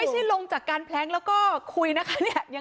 ลงจากการแพล้งแล้วก็คุยนะคะเนี่ย